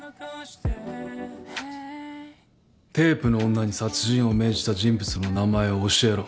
テープの女に殺人を命じた人物の名前を教えろ。